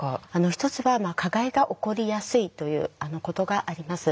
一つは加害が起こりやすいということがあります。